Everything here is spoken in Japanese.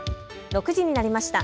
６時になりました。